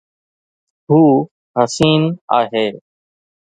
هو حسين آهي